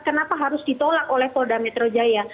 kenapa harus ditolak oleh polda metro jaya